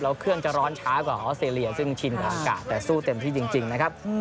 แล้วเครื่องจะร้อนช้ากว่าออสเตรเลียซึ่งชินกับอากาศแต่สู้เต็มที่จริงนะครับ